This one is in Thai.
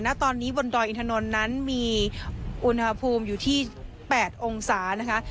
ณตอนนี้บนดอยอินทนนท์นั้นมีอุณหภูมิอยู่ที่๘องศานะคะ